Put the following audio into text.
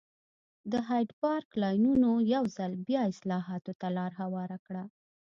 د هایډپارک لاریونونو یو ځل بیا اصلاحاتو ته لار هواره کړه.